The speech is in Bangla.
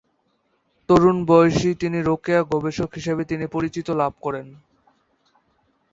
তরুণ বয়সেই তিনি রোকেয়া-গবেষক হিসেবে তিনি পরিচিতি লাভ করেন।